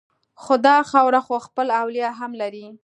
خو دا خاوره خو خپل اولیاء هم لري